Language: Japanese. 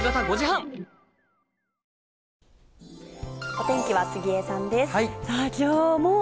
お天気は杉江さんです。